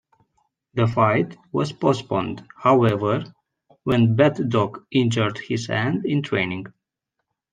The fight was postponed, however, when Braddock injured his hand in training.